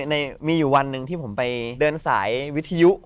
ในมีอยู่วันหนึ่งที่ผมไปเดินสายวิทยุ